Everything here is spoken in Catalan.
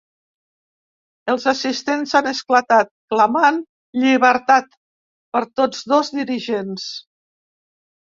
Els assistents han esclatat clamant ‘Llibertat’ per tots dos dirigents.